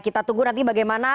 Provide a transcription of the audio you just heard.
kita tunggu nanti bagaimana